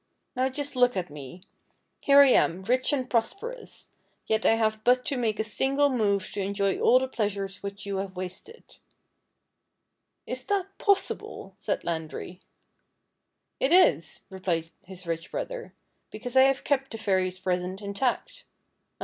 Now just look at me. Here I am rich and prosperous, yet I have but to make a single move to enjoy all the pleasures which you have wasted." "Is that possible ?" said Landry. " It is," replied his rich brother, " because I have kept the THE TWO DAISIES II 5 fairy's present intact. Ah !